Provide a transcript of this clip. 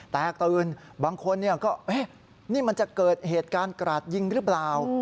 แต่หากถึงบางคนก็ว่านี่มันจะเกิดเหตุการณ์กระจายิงหรือเปล่า